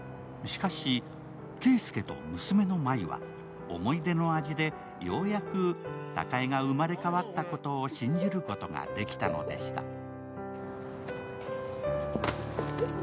しかし圭介と娘の麻衣は思い出の味でようやく貴恵が生まれ変わったことを信じることができたのでした。